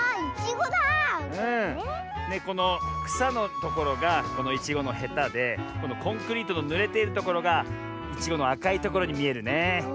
このくさのところがいちごのへたでこのコンクリートのぬれているところがいちごのあかいところにみえるね。